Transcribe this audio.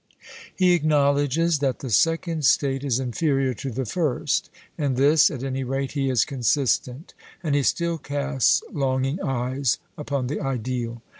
He acknowledges that the second state is inferior to the first in this, at any rate, he is consistent; and he still casts longing eyes upon the ideal.